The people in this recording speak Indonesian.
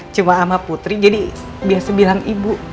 cuma sama putri jadi biasa bilang ibu